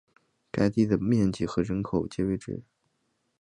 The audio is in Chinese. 该地的面积和人口皆未知。